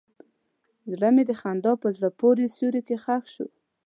زړه مې د خندا په زړه پورې سیوري کې ښخ شو.